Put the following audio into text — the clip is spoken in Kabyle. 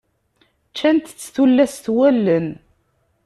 Ččant-t tullas s wallen.